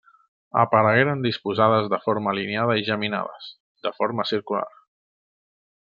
Aparegueren disposades de forma alineada i geminades, de forma circular.